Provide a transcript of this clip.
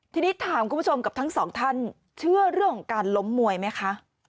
ทีนี้ถามคุณผู้ชมกับทั้งสองท่านเชื่อเรื่องของการล้มมวยไหมคะ